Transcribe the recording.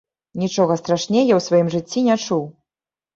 Нічога страшней я ў сваім жыцці не чуў.